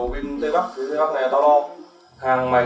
khi mày lấy hàng về tới hà nội